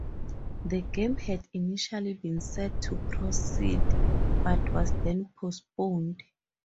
The game had initially been set to proceed but was then postponed.